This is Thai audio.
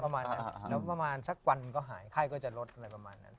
ประมาณนั้นแล้วประมาณสักวันก็หายไข้ก็จะลดอะไรประมาณนั้น